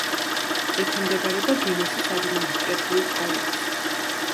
ექვემდებარება გისენის ადმინისტრაციულ ოლქს.